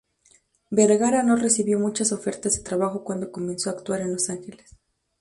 Vergara no recibió muchas ofertas de trabajo cuando comenzó a actuar en Los Ángeles.